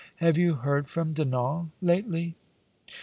Have you heard from Dinau lately?"